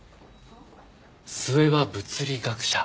末は物理学者？